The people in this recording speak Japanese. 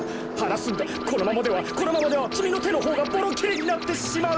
このままではこのままではきみのてのほうがボロきれになってしまう！